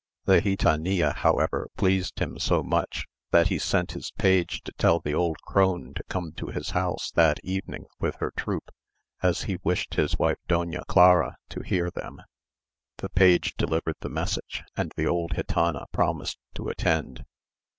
The gitanilla, however, pleased him so much, that he sent his page to tell the old crone to come to his house that evening with her troop, as he wished his wife Doña Clara to hear them. The page delivered the message, and the old gitana promised to attend.